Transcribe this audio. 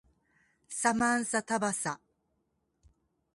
サマンサタバサ